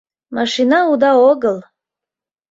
— Машина уда огыл!..